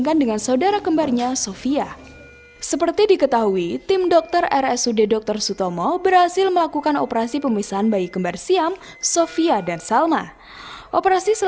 kami telah melakukan perawatan operasi